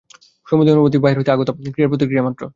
সমুদয় অনুভূতিই বাহির হইতে আগত ক্রিয়ার প্রতিক্রিয়া মাত্র।